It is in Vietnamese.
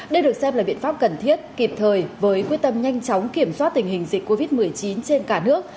đây được xem là biện pháp cần thiết kịp thời với quyết tâm nhanh chóng kiểm soát tình hình dịch covid một mươi chín trên cả nước